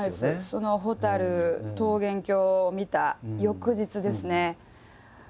そのホタル桃源郷を見た翌日ですね。